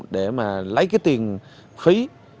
để mà lấy cái tiền khí